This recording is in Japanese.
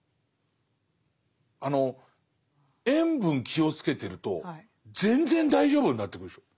あの塩分気をつけてると全然大丈夫になってくるでしょ。